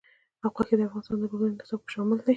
غوښې د افغانستان د پوهنې نصاب کې شامل دي.